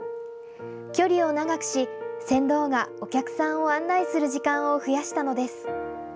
距離を長くし、船頭がお客さんを案内する時間を増やしたのです。